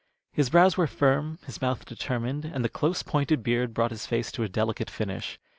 His brows were firm, his mouth determined, and the close pointed beard brought his face to a delicate finish.